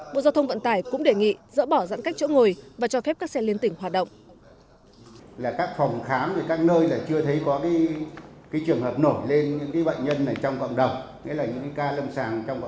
bộ giao thông vận tải cũng đề nghị dỡ bỏ giãn cách chỗ ngồi và cho phép các xe liên tỉnh hoạt động